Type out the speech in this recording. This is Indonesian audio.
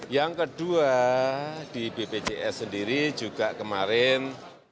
yang kedua di bpjs sendiri juga kemarin